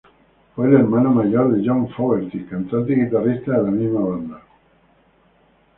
Fue el hermano mayor de John Fogerty, cantante y guitarrista de la misma banda.